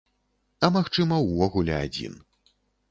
А магчыма, увогуле адзін.